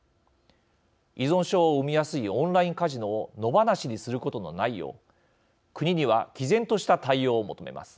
依存症を生みやすいオンラインカジノを野放しにすることのないよう国には、きぜんとした対応を求めます。